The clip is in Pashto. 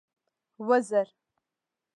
وزر.